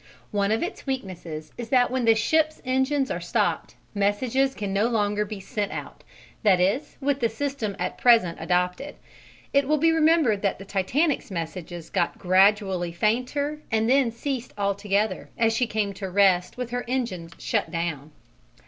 One of its weaknesses is that when the ships' engines are stopped, messages can no longer be sent out, that is, with the system at present adopted. It will be remembered that the Titanic's messages got gradually fainter and then ceased altogether as she came to rest with her engines shut down.